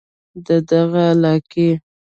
د دغه علاقې